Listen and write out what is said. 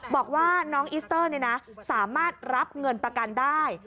บอกว่าน้องอิสเตอร์สามารถรับเงินประกันได้